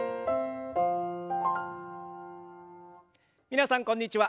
皆さんこんにちは。